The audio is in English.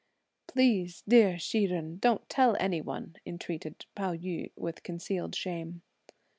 "Please, dear Hsi Jen, don't tell any one," entreated Pao yü, with concealed shame.